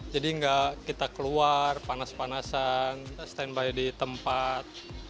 jadi nggak kita keluar panas panasan standby di tempat